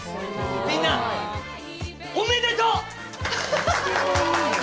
みんなおめでとう！